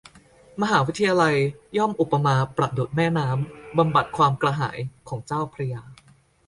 มหาวิทยาลัยย่อมอุปมาประดุจแม่น้ำ บำบัดความกระหายของเจ้าพระยา